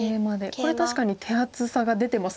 これ確かに手厚さが出てますね。